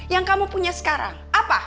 yang kamu punya sekarang apa